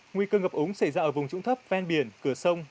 nguy cơ ngập úng xảy ra ở vùng trũng thấp ven biển cửa sông